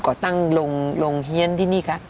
่อตั้งโรงเฮียนที่นี่ค่ะ